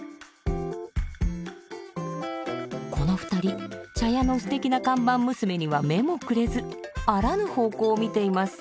この２人茶屋のステキな看板娘には目もくれずあらぬ方向を見ています。